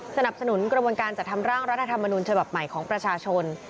สนับสนุนกระบวนการจัดทำร่างรัฐธรรมนุนฉบับใหม่ของประชาชน